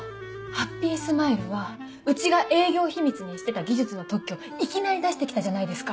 ハッピースマイルはうちが営業秘密にしてた技術の特許をいきなり出してきたじゃないですか。